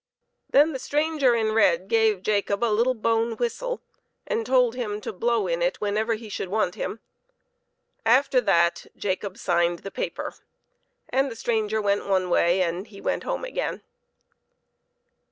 Then the stranger in red gave Jacob a little bone whistle, and told him to blow in it whenever he should want him. After that Jacob signed the paper, and the stranger went one way and he went home again.